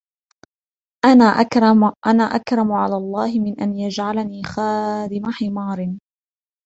أَنَا أَكْرَمُ عَلَى اللَّهِ مِنْ أَنْ يَجْعَلَنِي خَادِمَ حِمَارٍ